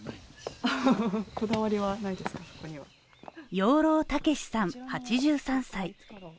養老孟司さん８３歳。